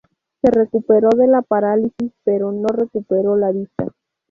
Se recuperó de la parálisis, pero no recuperó la vista.